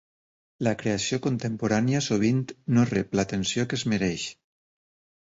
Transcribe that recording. La creació contemporània sovint no rep l'atenció que es mereix.